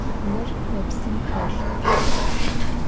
Lır lepsım xelh.